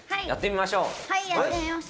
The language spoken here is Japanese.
やってみましょう！